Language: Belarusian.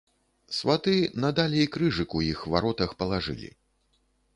Сваты надалей крыжык у іх варотах палажылі.